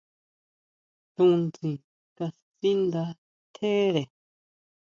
Tunsin kasindá tjere.